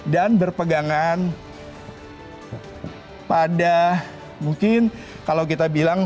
dan berpegangan pada mungkin kalau kita bilang